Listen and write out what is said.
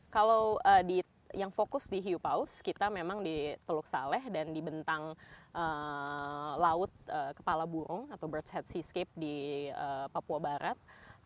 kalau yang fokus di hiu paus kita memang di teluk saleh dan di bentang laut kepala burung atau bird s head seascape di papua barat